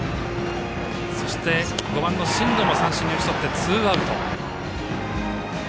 そして、５番の進藤も三振に打ち取ってツーアウト。